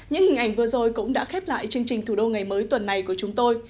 những hình ảnh vừa rồi cũng đã khép lại chương trình thủ đô ngày mới tuần này của chúng tôi